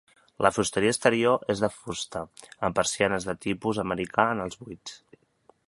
La fusteria exterior és de fusta, amb persianes de tipus americà en els buits.